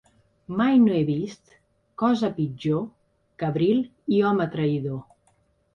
Mai no he vist cosa pitjor que abril i home traïdor.